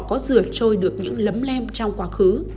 có rửa trôi được những lấm lem trong quá khứ